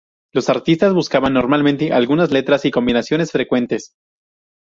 Los analistas buscan normalmente algunas letras y combinaciones frecuentes.